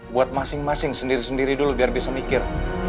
buat masing masing sendiri sendiri dulu biar bisa mikir